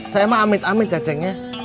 saya mah amit amit ya cengnya